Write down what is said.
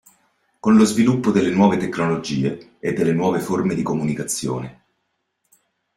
Con lo sviluppo delle nuove tecnologie e delle nuove forme di comunicazione.